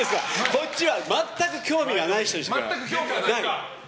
こっちは全く興味がない人にします。